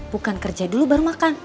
bukan kerja dulu baru makan